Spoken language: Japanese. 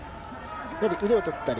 やはり腕を取ったり。